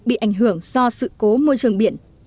bị ảnh hưởng do sự cố môi trường biển